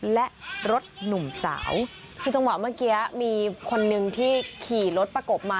และรถหนุ่มสาวคือจังหวะเมื่อกี้มีคนนึงที่ขี่รถประกบมา